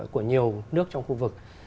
của nhiều nước trong khu vực